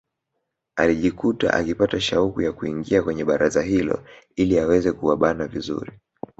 Alijikuta akipata shauku ya kuingia kwenye baraza hilo ili aweze kuwabana vizuri